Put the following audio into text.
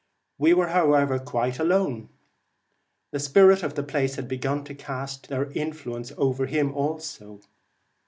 We were, however, quite alone. The spirits of the place had begun to cast their influence over him also.